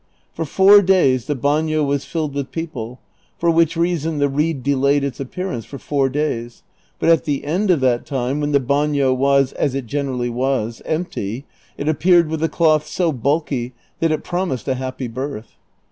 For four days the bano was filled with people, for which reason the I'eed delayed its appeai* ance for four days, but at the end of that time, when the bano was, as it generally was, empty, it appeared with the cloth so bulky that it promised a happy birth.